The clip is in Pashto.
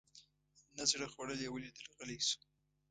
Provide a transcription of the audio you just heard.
نه زړه خوړل یې ولیدل غلی شو.